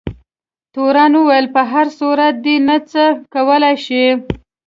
تورن وویل په هر صورت دی نه څه کولای شي.